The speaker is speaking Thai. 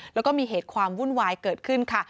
แล้วก็มีเหตุความวุ่นวายเกิดขึ้นค่ะ